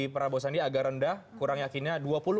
prabowo sandi agak rendah kurang yakinnya